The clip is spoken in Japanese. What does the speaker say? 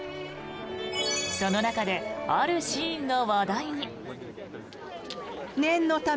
その中で、あるシーンが話題に。